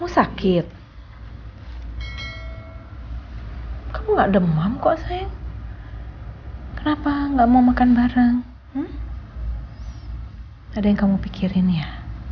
sakit kamu gak demam kok saya kenapa enggak mau makan bareng ada yang kamu pikirin ya